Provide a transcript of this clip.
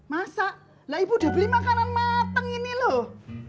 masak lah ibu udah beli makanan mateng ini loh